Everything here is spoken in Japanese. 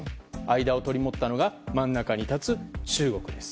間を取り持ったのが真ん中に立つ中国です。